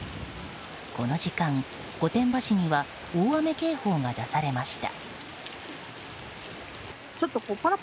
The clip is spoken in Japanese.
この時間、御殿場市には大雨警報が出されました。